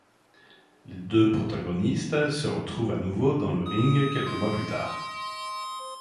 Les deux protagonistes se retrouvent à nouveau dans le ring quelques mois plus tard.